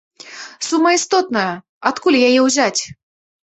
Сума істотная, адкуль яе ўзяць?